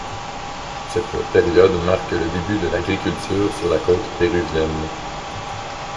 Cette période marque le début de l'agriculture sur la côte péruvienne.